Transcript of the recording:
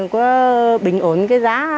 có bình ổn cái giá